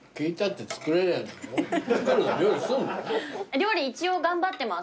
料理一応頑張ってます。